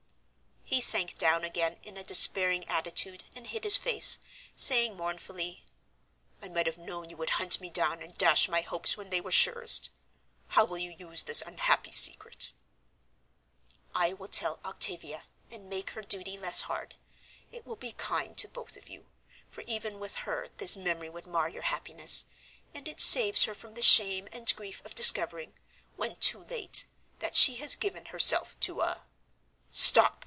He sank down again in a despairing attitude and hid his face, saying mournfully, "I might have known you would hunt me down and dash my hopes when they were surest. How will you use this unhappy secret?" "I will tell Octavia, and make her duty less hard. It will be kind to both of you, for even with her this memory would mar your happiness; and it saves her from the shame and grief of discovering, when too late, that she has given herself to a " "Stop!"